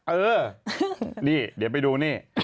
เออนี่เดี๋ยวไปดูนี่